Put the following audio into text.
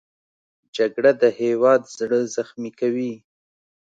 جګړه د هېواد زړه زخمي کوي